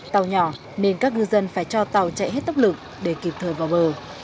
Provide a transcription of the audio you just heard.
tàu nhỏ nên các ngư dân phải cho tàu chạy hết tốc lực để kịp thời vào bờ